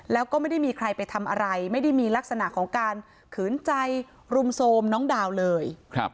แล้วก็ไม่ได้มีใครไปทำอะไรไม่ได้มีลักษณะของการขืนใจรุมโทรมน้องดาวเลย